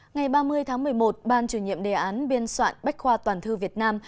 ngày ba mươi tháng một mươi một ban chủ nhiệm đề án biên soạn bách khoa toàn thư việt nam